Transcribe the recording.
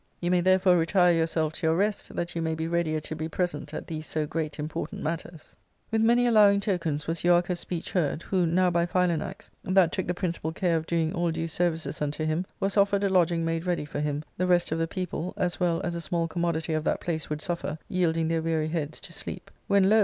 You may therefore retire your self to your rest, that you may be readier to be present at these so great important matters. With many allowing^ tokens was Euarchus' speech heard, who now by Philanax, that took the principal care of doing all due services unto him, was offered a lodging made ready for him, the rest of the people, as well as a small commodity of that place would suffer, yielding their weary heads to sleep ; when, lo